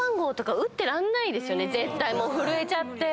絶対もう震えちゃって。